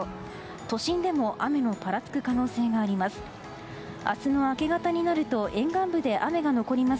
都心でも雨のぱらつく可能性があります。